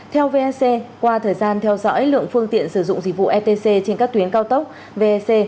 theo vec qua thời gian theo dõi lượng phương tiện sử dụng dịch vụ etc trên các tuyến cao tốc vec